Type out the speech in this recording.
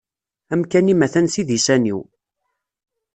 Amkan-im atan s idisan-iw.